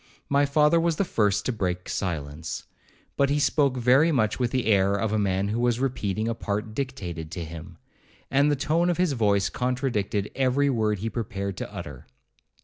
My father was the first to break silence, but he spoke very much with the air of a man who was repeating a part dictated to him; and the tone of his voice contradicted every word he prepared to utter.